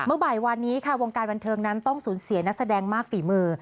เมื่อบ่ายวานนี้ค่ะวงการบันเทิงนั้นต้องสูญเสียนักแสดงมากฝีมือ